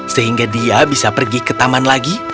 sehingga dia bisa pergi ke taman lagi